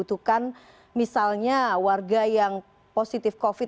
apakah kemudian yang dibutuhkan misalnya warga yang positif covid